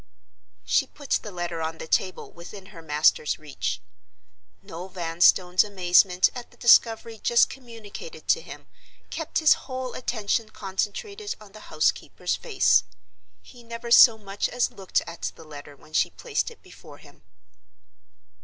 She put the letter on the table within her master's reach. Noel Vanstone's amazement at the discovery just communicated to him kept his whole attention concentrated on the housekeeper's face. He never so much as looked at the letter when she placed it before him.